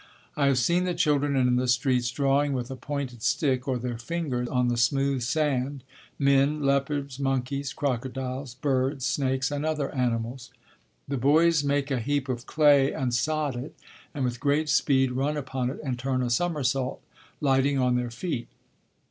I have seen the children in the streets drawing with a pointed stick or their finger on the smooth sand, men, leopards, monkeys, crocodiles, birds, snakes and other animals. The boys make a heap of clay and sod it, and with great speed run upon it and turn a somersault, lighting on their feet.